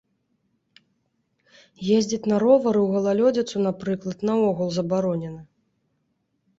Ездзіць на ровары ў галалёдзіцу, напрыклад, наогул забаронена.